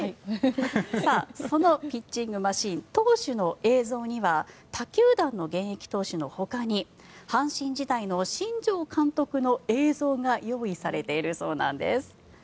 そのピッチングマシン投手の映像には他球団の現役投手のほかに阪神時代の新庄監督の映像が用意されているそうなんです。